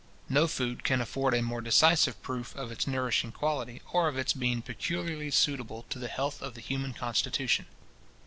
No food can afford a more decisive proof of its nourishing quality, or of its being peculiarly suitable to the health of the human constitution.